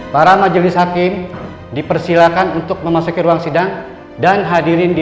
para majelis hakim dipersilakan untuk memasuki ruang sidang dan hadirin di